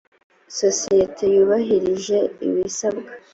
sosiyete yubahirije ibisabwa.